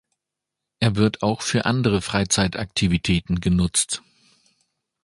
Er wird auch für andere Freizeitaktivitäten genutzt.